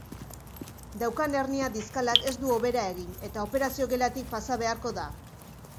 Daukan hernia diskalak ez du hobera egin eta operazio-gelatik pasa beharko da.